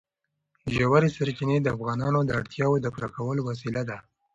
ژورې سرچینې د افغانانو د اړتیاوو د پوره کولو وسیله ده.